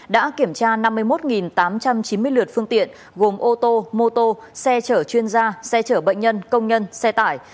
đã kiểm tra năm mươi một tám trăm chín mươi lượt phương tiện gồm ô tô mô tô xe chở chuyên gia xe chở bệnh nhân công nhân xe tải